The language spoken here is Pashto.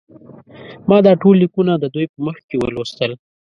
ما دا ټول لیکونه د دوی په مخ کې ولوستل.